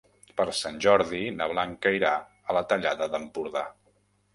Per Sant Jordi na Blanca irà a la Tallada d'Empordà.